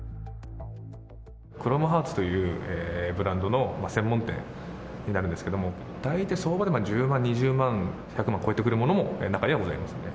クロムハーツというブランドの専門店になるんですけど、大体相場で１０万、２０万、１００万超えてくるものも中にはございますね。